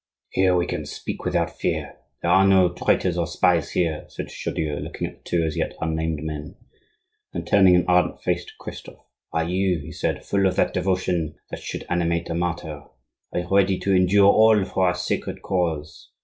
"Here we can speak without fear; there are no traitors or spies here," said Chaudieu, looking at the two as yet unnamed men. Then, turning an ardent face to Christophe, "Are you," he said, "full of that devotion that should animate a martyr? Are you ready to endure all for our sacred cause?